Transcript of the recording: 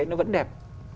nó vẫn đẹp